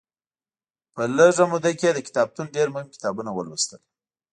په لږه موده کې یې د کتابتون ډېر مهم کتابونه ولوستل.